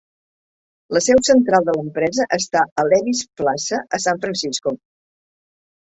La seu central de l'empresa està a Levi's Plaza, a San Francisco.